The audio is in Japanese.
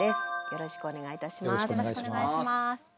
よろしくお願いします。